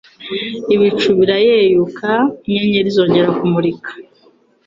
Ibicu bireyuka, inyenyeri zongera kumurika.